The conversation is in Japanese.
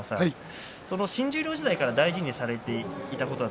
新十両時代から大事にされていたことは